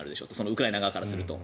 ウクライナ側からすると。